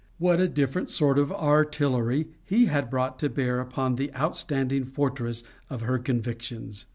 What a different sort of artillery HE had brought to bear upon the outstanding fortress of her convictions!